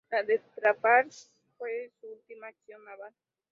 La de Trafalgar fue su última acción naval.